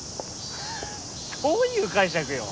どういう解釈よ！